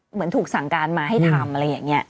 เหมือนถูกสั่งการมาให้ทำอะไรอย่างนี้